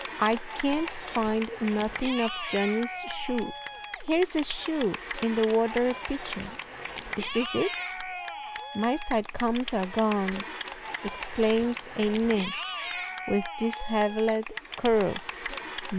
"I can't find nothing of Johnny's shoe!" "Here's a shoe in the water pitcher is this it?" "My side combs are gone!" exclaims a nymph with dishevelled curls.